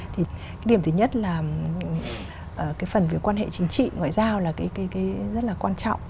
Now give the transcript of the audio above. thì cái điểm thứ nhất là cái phần về quan hệ chính trị ngoại giao là cái rất là quan trọng